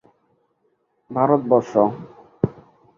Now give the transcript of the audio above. ভারত বর্ষ।